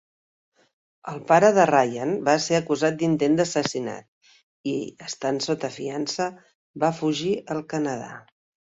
El pare de Ryan va ser acusat d'intent d'assassinat i estant sota fiança va fugir al Canadà.